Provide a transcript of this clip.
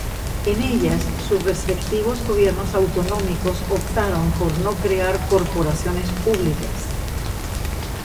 En ellas, sus respectivos gobiernos autonómicos optaron por no crear corporaciones públicas.